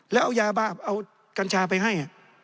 แล้วเอายาบ้าเอากัญชาไปให้